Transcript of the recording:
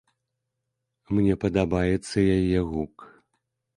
Мне падабаецца яе гук.